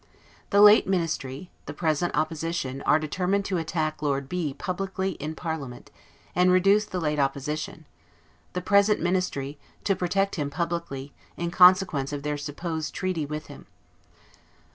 The late Ministry, THE PRESENT OPPOSITION, are determined to attack Lord B publicly in parliament, and reduce the late Opposition, THE PRESENT MINISTRY, to protect him publicly, in consequence of their supposed treaty with him.